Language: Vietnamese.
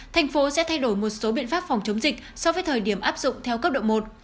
thành phố sẽ thay đổi một số biện pháp phòng chống dịch so với thời điểm áp dụng theo cấp độ một